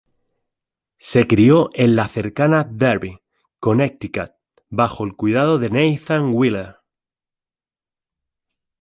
Se crio en la cercana Derby, Connecticut, bajo el cuidado de Nathan Wheeler.